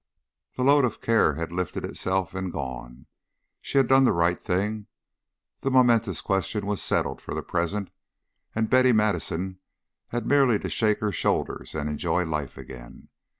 The load of care had lifted itself and gone. She had done the right thing, the momentous question was settled for the present, and Betty Madison had merely to shake her shoulders and enjoy life again.